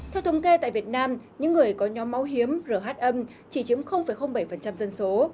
theo thông kê tại việt nam những người có nhóm máu hiếm rhm chỉ chiếm bảy dân số